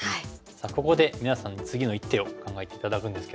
さあここで皆さんに次の一手を考えて頂くんですけども。